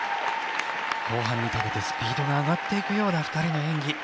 後半にかけてスピードが上がっていくような２人の演技。